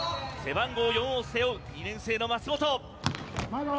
背番号４を背負う２年生の舛元。